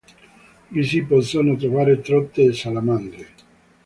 Vi si possono trovare trote e salamandre.